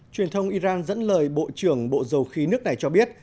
truyền thông iran dẫn lời bộ trưởng bộ dầu khí nước này cho biết